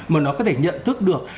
mà nó có thể nhận thức được